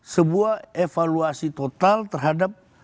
sebuah evaluasi total terhadap